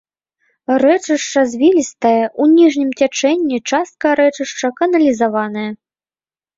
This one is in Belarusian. Рэчышча звілістае, у ніжнім цячэнні частка рэчышча каналізаваная.